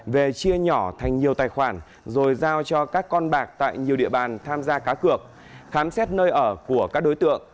về chia nhỏ thành nhiều tài khoản rồi giao cho các con bạc tại nhiều địa bàn tham gia cá cược khám xét nơi ở của các đối tượng